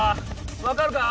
分かるか？